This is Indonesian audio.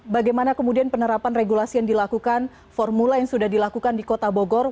bagaimana kemudian penerapan regulasi yang dilakukan formula yang sudah dilakukan di kota bogor